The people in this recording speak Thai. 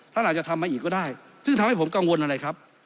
ท่านอาจจะทำมาอีกก็ได้ซึ่งทำให้ผมกังวลอะไรครับ